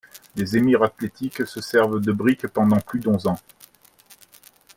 Des émirs athlétiques se servent de briques pendant plus d'onze ans.